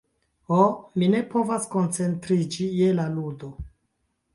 Ho, mi ne povas koncentriĝi je la ludo...